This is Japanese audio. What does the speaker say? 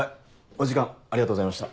お時間ありがとうございました。